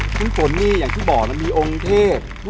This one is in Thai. คุณฝนนี่อย่างที่บอกนะมีองค์เทพ